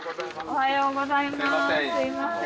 おはようございます。